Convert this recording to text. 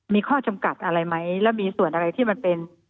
มีข้อจำกัดอะไรไหมแล้วมีส่วนอะไรที่มันเป็น